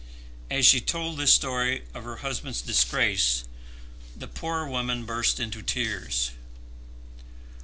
As she told this story of her husband's disgrace, the poor woman burst into tears.